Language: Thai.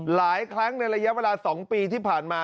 หลายครั้งในระยะเวลา๒ปีที่ผ่านมา